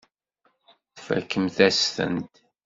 Tfakemt-as-tent.